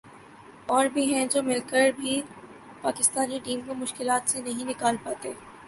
اور بھی ہیں جو مل کر بھی پاکستانی ٹیم کو مشکلات سے نہیں نکال پاتے ۔